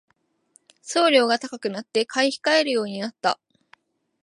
送料が高くなって買い控えるようになった